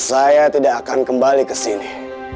saya tidak akan kembali kesini